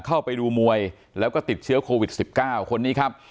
เข้าไปดูมวยแล้วก็ติดเชื้อโควิด๑๙คนนี้ครับ